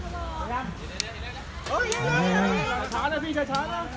ช้านะพี่ช้านะ